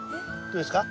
どれですか？